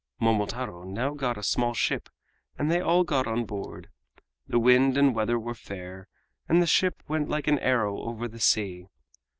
Momotaro now got a small ship, and they all got on board. The wind and weather were fair, and the ship went like an arrow over the sea.